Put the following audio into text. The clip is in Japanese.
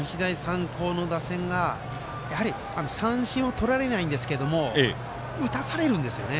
強打、日大三高の打線が三振をとられないんですが打たされるんですよね。